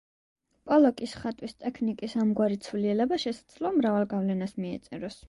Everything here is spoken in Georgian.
პოლოკის ხატვის ტექნიკის ამგვარი ცვლილება შესაძლოა მრავალ გავლენას მიეწეროს.